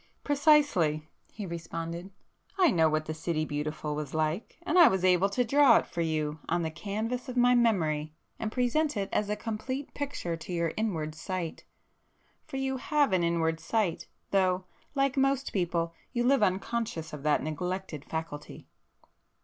"Precisely!" he responded—"I know what the 'City Beautiful' was like, and I was able to draw it for you on the canvas of my memory and present it as a complete picture to your inward sight. For you have an inward sight,—though like most people, you live unconscious of that neglected faculty."